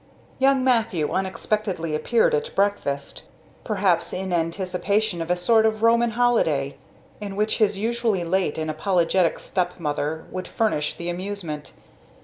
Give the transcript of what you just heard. Young Mathew unexpectedly appeared at breakfast, perhaps in anticipation of a sort of Roman holiday in which his usually late and apologetic stepmother would furnish the amusement.